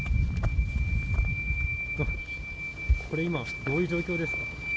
これ今、どういう状況ですか？